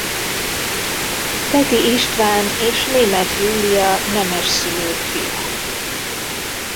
Peti István és Németh Julia nemes szülők fia.